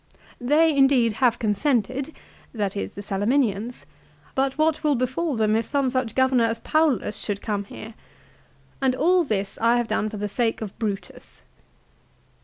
" They indeed, have consented," that is the Salaminians, " but what will befal them if some such governor as Paullus should come here ! And all this I have done for the sake of Brutus